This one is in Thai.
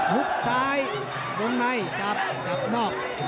ุบซ้ายวงในจับจับนอก